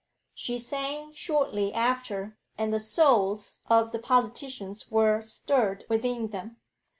She sang shortly after, and the souls of the politicians were stirred within them.